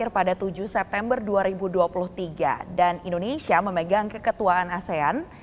pada tujuh september dua ribu dua puluh tiga dan indonesia memegang keketuaan asean